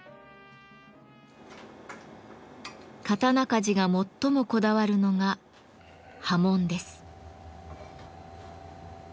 刀鍛冶が最もこだわるのが刃文です。